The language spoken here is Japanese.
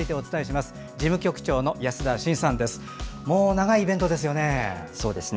もう長いイベントですよね。